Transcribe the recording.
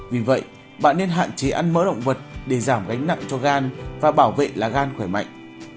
vì vậy bạn nên hạn chế ăn mỡ động vật để giảm gánh nặng cho gan và bảo vệ lá gan khỏe mạnh